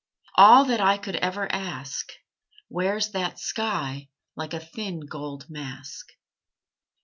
All that I Could ever ask Wears that sky Like a thin gold mask.